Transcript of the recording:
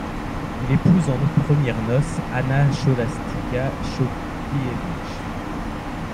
Il épouse en premières noces Anna Scholastyka Chodkiewicz.